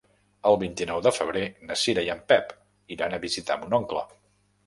El vint-i-nou de febrer na Cira i en Pep iran a visitar mon oncle.